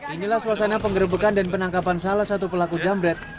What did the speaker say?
inilah suasana penggerbekan dan penangkapan salah satu pelaku jambret